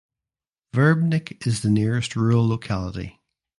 Verbnik is the nearest rural locality.